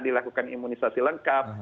dilakukan imunisasi lengkap